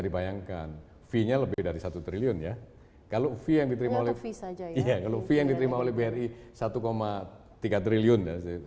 dibayangkan fee nya lebih dari rp satu triliun ya kalau fee yang diterima oleh bri rp satu tiga triliun